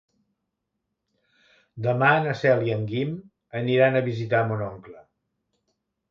Demà na Cel i en Guim aniran a visitar mon oncle.